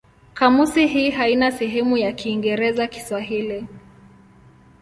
Kamusi hii haina sehemu ya Kiingereza-Kiswahili.